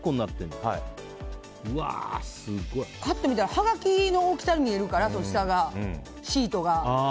こうやって見たらはがきの大きさに見えるから下のシートが。